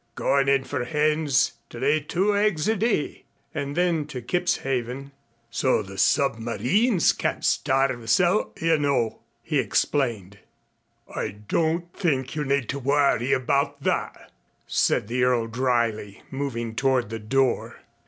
Goin' in for hens to lay two eggs a day." And then to Kipshaven, "So the submarines can't starve us out, you know," he explained. "I don't think you need worry about that," said the Earl dryly, moving toward the door.